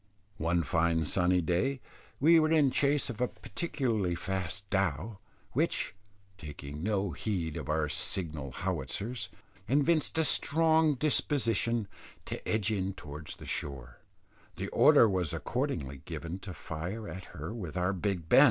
One fine sunny day, we were in chase of a particularly fast dhow, which, taking no heed of our signal howitzers, evinced a strong disposition to edge in towards the shore, the order was accordingly given to fire at her with our Big Ben.